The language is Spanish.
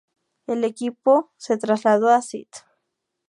El equipo se trasladó a St.